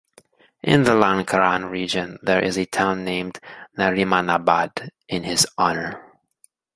In the Lankaran region there is a town named "Narimanabad" in his honor.